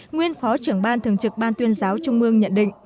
nguyên phó trưởng ban thường trực ban tuyên giáo trung mương nhận định